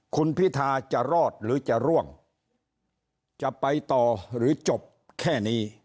คุณพิทาจะรอดหรือจะร่วงจะไปต่อหรือจบแค่นี้